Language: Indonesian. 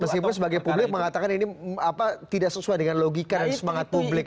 meskipun sebagai publik mengatakan ini tidak sesuai dengan logika dan semangat publik